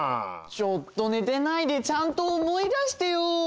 ちょっとねてないでちゃんとおもい出してよ。